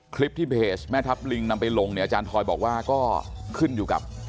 คลิปที่เพจแม่ทัพลิงนำไปลงเนี่ยอาจารย์ทอยบอกว่าก็ขึ้นอยู่กับ